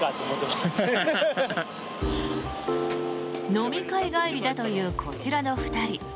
飲み会帰りだというこちらの２人。